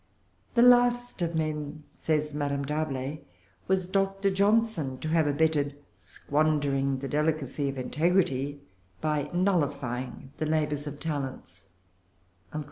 "The last of men," says Madame D'Arblay, "was Doctor Johnson to have abetted squandering the delicacy of integrity by nullifying the labors of talents."